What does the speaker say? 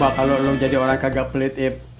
kalo lo jadi orang kagak pelitip